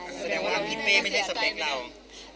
แสดงว่าพิเฟย์ไม่ใช่สเปรกเรา